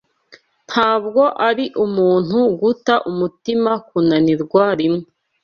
Ntabwo ari umuntu guta umutima kunanirwa rimwe